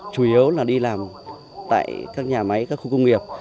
chủ yếu là đi làm tại các nhà máy các khu công nghiệp